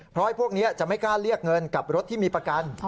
เพราะพวกนี้จะไม่กล้าเรียกเงินกับรถที่มีประกัน